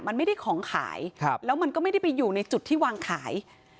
มันไม่ได้ของขายแล้วมันก็ไม่ได้ไปอยู่ในจุดที่วางขาย